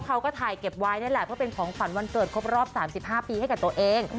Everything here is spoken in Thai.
เขาก็ถ่ายเก็บไว้นั่นแหละเพื่อเป็นของขวัญวันเกิดครบรอบ๓๕ปีให้กับตัวเอง